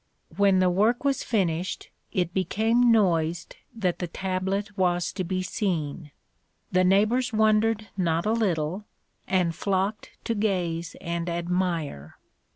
When the work was finished it became noised that the tablet was to be seen. The neighbours wondered not a little, and flocked to gaze and admire.